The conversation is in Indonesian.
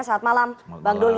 selamat malam bang doli